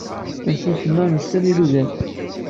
Nettusemma nessen ilugan.